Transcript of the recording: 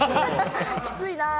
きついな。